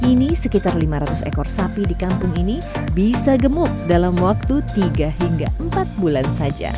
kini sekitar lima ratus ekor sapi di kampung ini bisa gemuk dalam waktu tiga hingga empat bulan saja